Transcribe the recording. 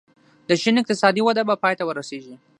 د چین اقتصادي وده به پای ته ورسېږي.